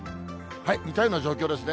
似たような状況ですね。